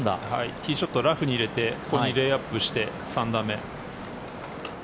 ティーショットラフに入れてレイアップして、３打目。